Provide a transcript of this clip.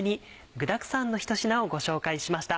具だくさんのひと品をご紹介しました。